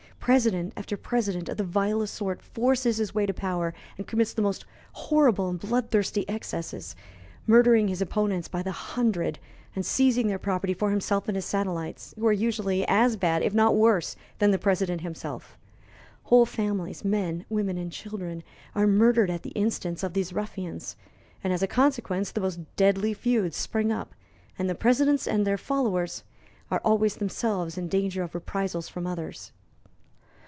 President after president of the vilest sort forces his way to power and commits the most horrible and bloodthirsty excesses, murdering his opponents by the hundred and seizing their property for himself and his satellites, who are usually as bad, if not worse, than the president himself. Whole families men, women, and children are murdered at the instance of these ruffians, and, as a consequence, the most deadly feuds spring up, and the presidents and their followers are always themselves in danger of reprisals from others.